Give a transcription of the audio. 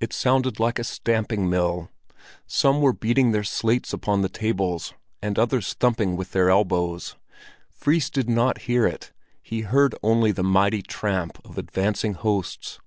It sounded like a stamping mill; some were beating their slates upon the tables, and others thumping with their elbows. Fris did not hear it; he heard only the mighty tramp of advancing hosts.